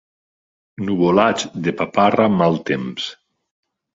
Nuvolats de paparra, mal temps.